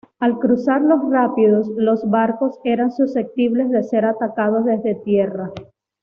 Al cruzar los rápidos, los barcos eran susceptibles de ser atacados desde tierra.